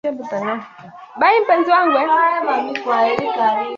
Petro I nchi ilishiriki katika siasa ya Ulaya pamoja na vita vingi vya huko